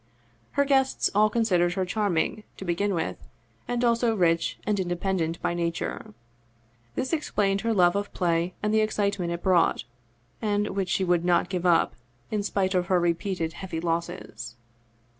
Her guests all considered her charming, to begin with, and also rich and independent and passionate by nature. This explained her love of play and the excitement it brought, and which she would not give up, in spite of her repeated heavy losses.